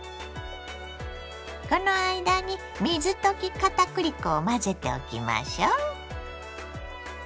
この間に水溶き片栗粉を混ぜておきましょ。